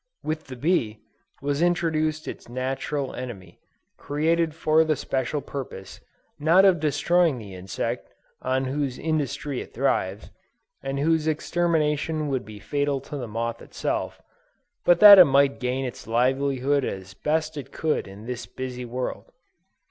With the bee, was introduced its natural enemy, created for the special purpose, not of destroying the insect, on whose industry it thrives, and whose extermination would be fatal to the moth itself, but that it might gain its livelihood as best it could in this busy world.